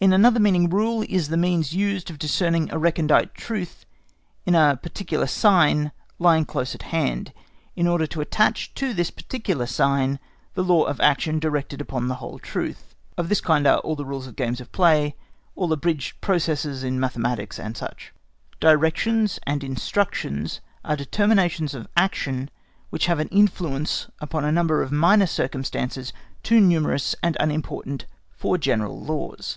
In another meaning Rule is the means used of discerning a recondite truth in a particular sign lying close at hand, in order to attach to this particular sign the law of action directed upon the whole truth. Of this kind are all the rules of games of play, all abridged processes in mathematics, &c. Directions and instructions are determinations of action which have an influence upon a number of minor circumstances too numerous and unimportant for general laws.